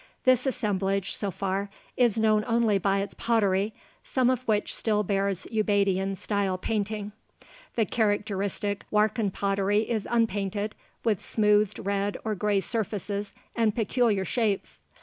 This "assemblage," so far, is known only by its pottery, some of which still bears Ubaidian style painting. The characteristic Warkan pottery is unpainted, with smoothed red or gray surfaces and peculiar shapes.